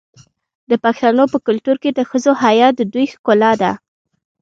د پښتنو په کلتور کې د ښځو حیا د دوی ښکلا ده.